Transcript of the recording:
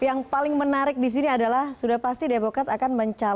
yang paling menarik di sini adalah sudah pasti demokrat akan mencapai